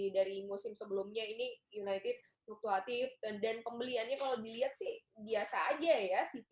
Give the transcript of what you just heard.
dari musim sebelumnya ini united fluktuatif dan pembeliannya kalau dilihat sih biasa aja ya